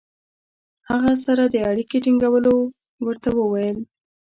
هغه سره د اړیکې ټینګولو ورته وویل.